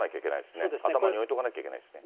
頭に置いておかなきゃいけないですね。